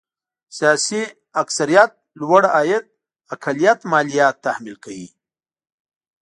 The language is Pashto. سیاسي اکثريت لوړ عاید اقلیت ماليات تحمیل کوي.